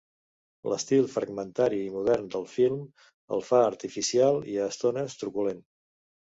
L'estil fragmentari i modern del film el fa artificial i a estones truculent.